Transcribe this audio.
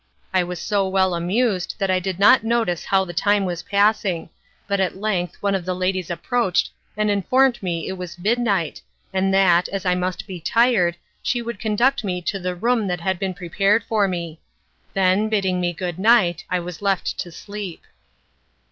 I was so well amused that I did not notice how the time was passing, but at length one of the ladies approached and informed me it was midnight, and that, as I must be tired, she would conduct me to the room that had been prepared for me. Then, bidding me good night, I was left to sleep.